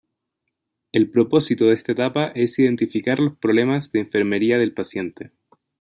El propósito de esta etapa es identificar los problemas de enfermería del paciente.